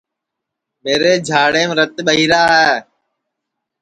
میرے جھاڑیم رت ٻہی را ہے